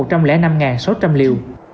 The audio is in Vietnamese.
cảm ơn các bạn đã theo dõi và hẹn gặp lại